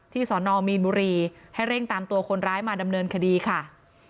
สอนอมีนบุรีให้เร่งตามตัวคนร้ายมาดำเนินคดีค่ะ